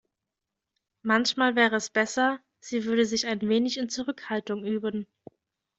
Manchmal wäre es besser, sie würde sich ein wenig in Zurückhaltung üben.